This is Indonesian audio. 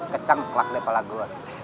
keceng klak lepa lagu